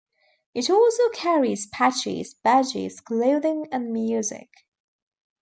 It also carries patches, badges, clothing and music.